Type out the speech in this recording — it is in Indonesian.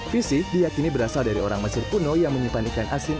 fisik diakini berasal dari orang mesir kuno yang menyimpan ikan asin